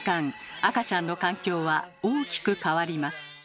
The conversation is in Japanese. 赤ちゃんの環境は大きく変わります。